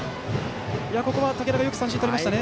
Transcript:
ここは竹田、よく三振とりましたね。